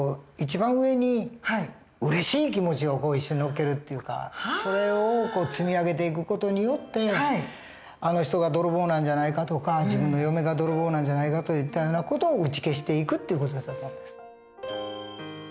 一番上にうれしい気持ちを一緒に載っけるというかそれを積み上げていく事によってあの人が泥棒なんじゃないかとか自分の嫁が泥棒なんじゃないかといったような事を打ち消していくという事だと思うんです。